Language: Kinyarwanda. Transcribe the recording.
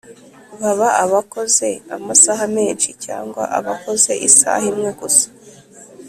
baba abakoze amasaha menshi cyangwa abakoze isaha imwe gusa